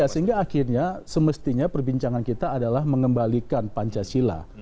sehingga akhirnya semestinya perbincangan kita adalah mengembalikan pancasila